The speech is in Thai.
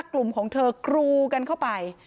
กลุ่มของเธอกรูกันเข้าไป